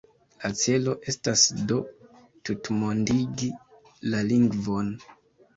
La celo estas do tutmondigi la lingvon.